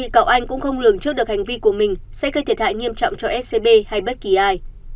các công việc của mình sẽ gây thiệt hại nghiêm trọng cho scb hay bất kỳ ai